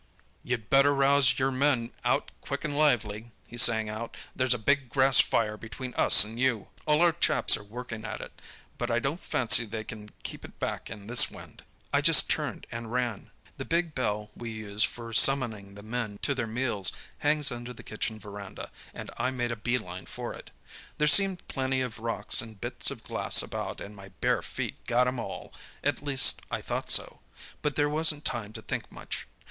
"'You'd better rouse your men out quick 'n lively,' he sang out. 'There's a big grass fire between us and you. All our chaps are workin' at it; but I don't fancy they can keep it back in this wind.' "I just turned and ran. "The big bell we use for summoning the men to their meals hangs under the kitchen verandah and I made a bee line for it. There seemed plenty of rocks and bits of glass about, and my bare feet got 'em all—at least I thought so—but there wasn't time to think much.